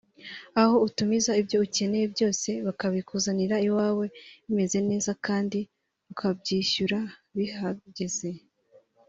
aho utumiza ibyo ukeneye byose bakabikuzanira iwawe bimeze neza kandi ukabyishyura bihageze